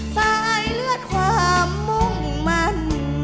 สายเลือดความมุ่งมัน